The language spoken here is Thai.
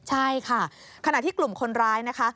ใช่ค่ะขณะที่กลุ่มคนร้ายนะคะ